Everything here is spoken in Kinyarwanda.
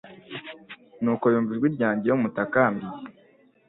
ni uko yumva ijwi ryanjye iyo mutakambiye